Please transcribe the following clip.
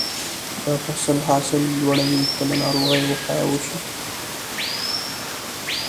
د فصل حاصل لوړوي که له ناروغیو وقایه وشي.